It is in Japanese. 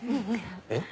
えっ？